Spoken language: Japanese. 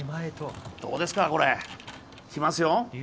どうですか、これ、来ますよ。